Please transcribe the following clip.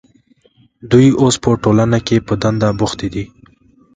دوی اوس په ټولنه کې په دنده بوختې دي.